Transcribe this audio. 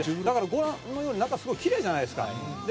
だからご覧のように中すごいきれいじゃないですか」